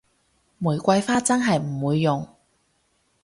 玫瑰花真係唔會用